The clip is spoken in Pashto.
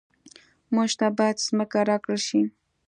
موږ ته باید ځمکه راکړل شي